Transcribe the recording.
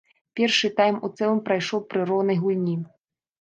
Першы тайм у цэлым прайшоў пры роўнай гульні.